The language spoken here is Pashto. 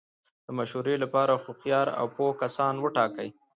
د مشورې له پاره هوښیار او پوه کسان وټاکئ!